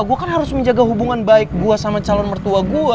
gue kan harus menjaga hubungan baik gue sama calon mertua gue